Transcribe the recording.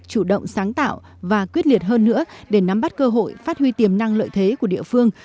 chủ động sáng tạo và quyết liệt hơn nữa để nắm bắt cơ hội phát huy tiềm năng lợi thế của địa phương